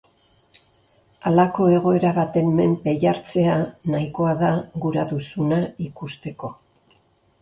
Halako egoera baten menpe jartzea nahikoa da gura duzuna ikusteko.